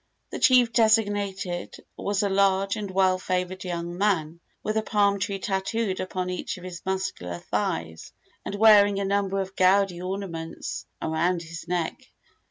The chief designated was a large and well favored young man, with a palm tree tattooed upon each of his muscular thighs, and wearing a number of gaudy ornaments around his neck.